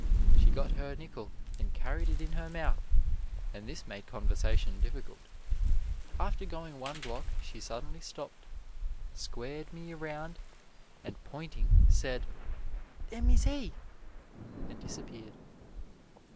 She got her nickel and carried it in her mouth, and this made conversation difficult. After going one block she suddenly stopped, squared me around and pointing said, "Them is he!" and disappeared.